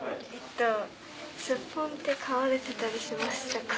スッポンって飼われてたりしましたか？